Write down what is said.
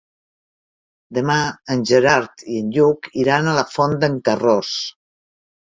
Demà en Gerard i en Lluc iran a la Font d'en Carròs.